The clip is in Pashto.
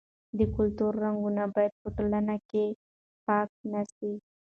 د کلتور رنګونه باید په ټولنه کې پیکه نه سي.